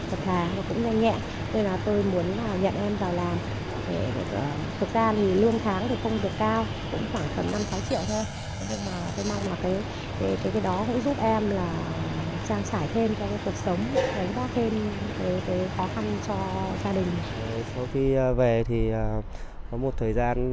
sau khi về thì có một thời gian